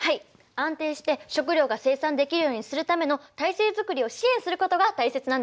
安定して食料が生産できるようにするための体制作りを支援することが大切なんですね。